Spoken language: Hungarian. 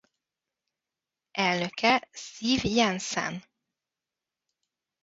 Elnöke Siv Jensen.